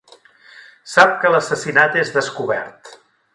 Sap que l'assassinat és descobert.